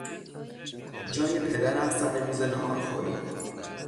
جای پدرم سر میز ناهارخوری